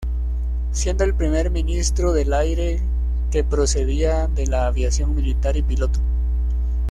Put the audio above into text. Siendo el primer Ministro del Aire que procedía de la Aviación Militar y piloto.